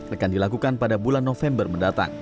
akan dilakukan pada bulan november mendatang